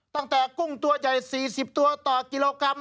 กุ้งตัวใหญ่๔๐ตัวต่อกิโลกรัม